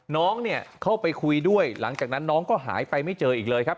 น้องเนี่ยเข้าไปคุยด้วยหลังจากนั้นน้องก็หายไปไม่เจออีกเลยครับ